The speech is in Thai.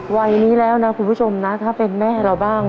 วัยนี้แล้วนะคุณผู้ชมนะถ้าเป็นแม่เราบ้าง